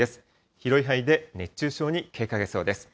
広い範囲で熱中症に警戒が必要です。